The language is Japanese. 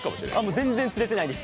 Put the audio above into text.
全然釣れてないです。